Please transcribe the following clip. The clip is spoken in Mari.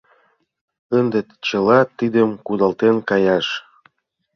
Ынде чыла тидым кудалтен каяш?